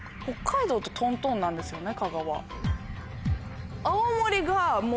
北海道ととんとんなんですよね香川。